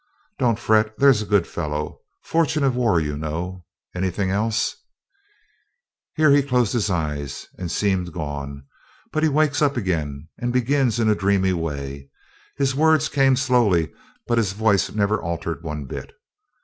'Don't fret there's a good fellow. Fortune of war, you know. Anything else?' Here he closed his eyes, and seemed gone; but he wakes up again, and begins in a dreamy way. His words came slowly, but his voice never altered one bit.